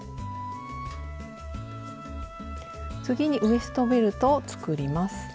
次にウエストベルトを作ります。